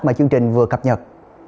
mà chương trình vừa cập nhật